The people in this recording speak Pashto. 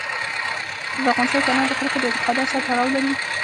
په افغانستان کې انار د خلکو د اعتقاداتو سره تړاو لري.